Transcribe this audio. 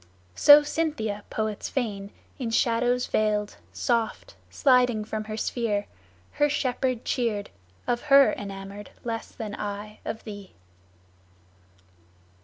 So Cynthia, poets feign, In shadows veiled, soft, sliding from her sphere, Her shepherd cheered, of her enamoured less Than I of thee."